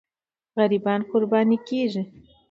غریبان قرباني کېږي.